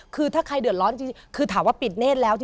คือถ้าใครเดือดร้อนจริงคือถามว่าปิดเนธแล้ว